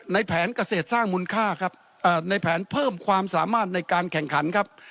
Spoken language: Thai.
แผนเกษตรสร้างมูลค่าครับในแผนเพิ่มความสามารถในการแข่งขันครับ